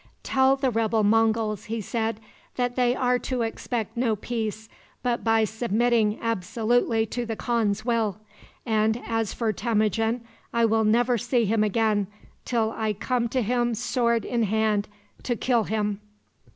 "Tell the rebel Monguls," said he, "that they are to expect no peace but by submitting absolutely to the khan's will; and as for Temujin, I will never see him again till I come to him sword in hand to kill him."